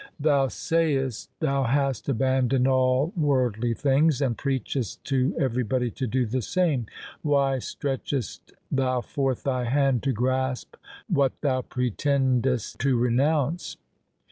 Thou sayest thou hast abandoned all worldly things and preachest to everybody to do the same. Why stretchest thou forth thy hand to grasp what thou pretendest to renounce